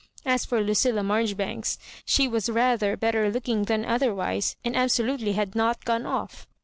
As for Lucilla Maijoribanks, she was rather better looking than otherwise, and absolutely had not gone off.